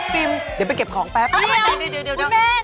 ตามแอฟผู้ชมห้องน้ำด้านนอกกันเลยดีกว่าครับ